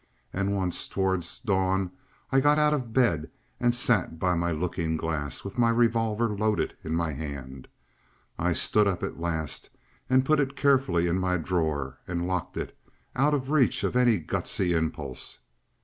And once towards dawn I got out of bed, and sat by my looking glass with my revolver loaded in my hand. I stood up at last and put it carefully in my drawer and locked it—out of reach of any gusty impulse.